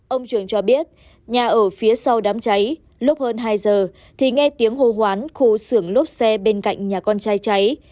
ông trường cho biết nhà ở phía sau đám cháy lúc hơn hai giờ thì nghe tiếng hồ hoán khu xưởng lốp xe bên cạnh nhà con trai cháy